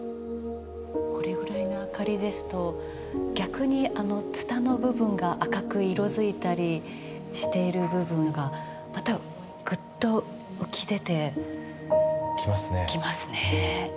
これぐらいの明かりですと逆にツタの部分が赤く色づいたりしている部分がまたグッと浮き出てきますね。